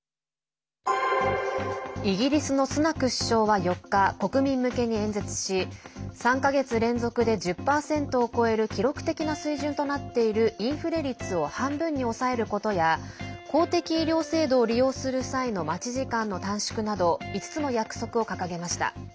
イギリスのスナク首相は４日国民向けに演説し３か月連続で１０％を超える記録的な水準となっているインフレ率を半分に抑えることや公的医療制度を利用する際の待ち時間の短縮など５つの約束を掲げました。